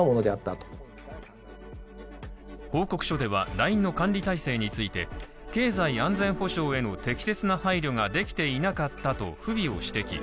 ＬＩＮＥの管理体制について経済安全保障への適切な配慮ができていなかったと不備を指摘。